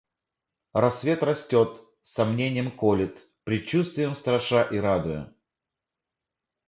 Рассвет растет, сомненьем колет, предчувствием страша и радуя.